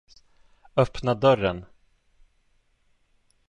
Öppna dörren.